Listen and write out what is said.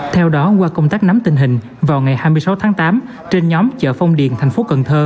theo đó qua công tác nắm tình hình vào ngày hai mươi sáu tháng tám